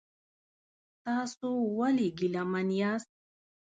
تاسو ولې ګیلمن یاست؟